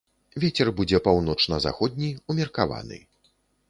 Вецер будзе паўночна-заходні, умеркаваны.